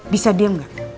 bisa diem gak